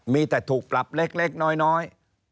มีแต่ถูกปรับเล็กน้อย